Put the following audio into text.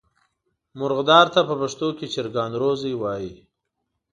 مرغدار ته په پښتو کې چرګان روزی وایي.